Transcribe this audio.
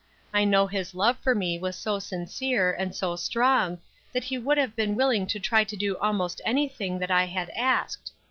I know his love for me was so sincere, and so strong, that he would have been willing to try to do almost anything that I had asked.